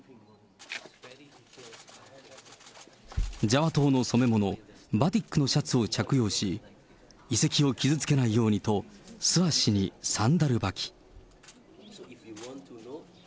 ジャワ島の染め物、バティックのシャツを着用し、遺跡を傷つけないようにと、素足にサンダル履き。